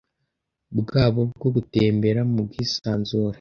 bwabo bwo gutembera mu bwisanzure